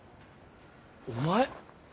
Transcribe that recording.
お前！